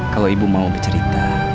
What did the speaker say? kalau ibu mau bercerita